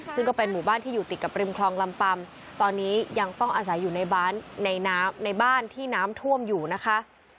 ซึ่งก็เป็นหมู่บ้านที่อยู่ติดกับริมคลองลำปัมตอนนี้ต้องอาศัยในน้ำที่ท่วมอยู่นะคะ